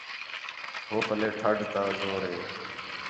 ہو پَلّے ٹھݙ تا زور ہِے